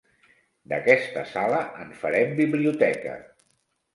D'aquesta sala, en farem biblioteca.